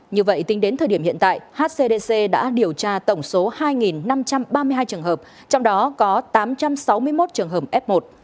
như vậy tính đến thời điểm hiện tại hcdc đã điều tra tổng số hai năm trăm ba mươi hai trường hợp trong đó có tám trăm sáu mươi một trường hợp f một